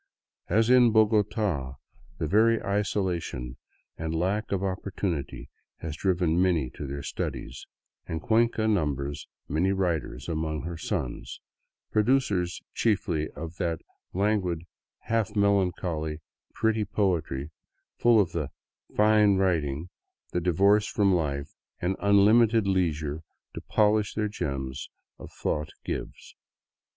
As in Bogota, the very isolation and lack of opportunity has driven many to their studies, and Cuenca numbers many writers among her sons," producers chiefly of that languid, half melancholy, pretty poetry, full of the " fine writing " the divorce from life and unlimited leisure to polish their gems of thought gives.